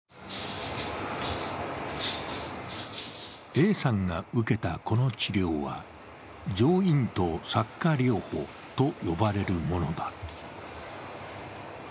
Ａさんが受けたこの治療は、上咽頭擦過療法と呼ばれるものだ。